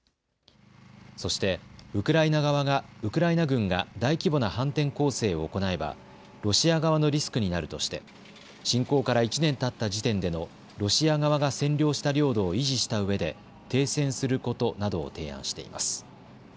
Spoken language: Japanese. そしてウクライナ軍が大規模な反転攻勢を行えばロシア側のリスクになるとして侵攻から１年たった時点でのロシア側が占領した領土を維持したうえで停戦することなどを提案しています。